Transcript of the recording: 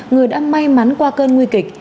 người đã may mắn qua cơn nguy kịch